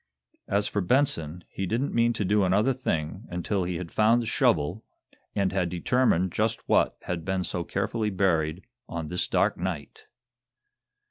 As for Benson, he didn't mean to do another thing until he had found the shovel, and had determined just what had been so carefully buried on this dark night!